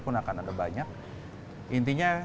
pun akan ada banyak intinya